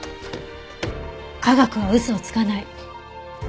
科学は嘘をつかない。